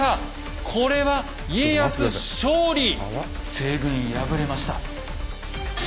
西軍敗れました。